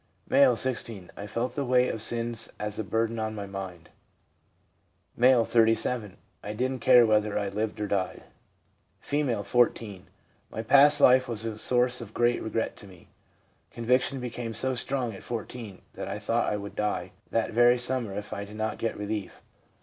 1 M., 16. 'I felt the weight of sin as a burden on my mind/ M., 37. 'I didn't care whether I lived or died/ F., 14. 'My past life was a source of great regret to me. Conviction became so strong at 14 that I thought I would die that very summer if I did not get relief.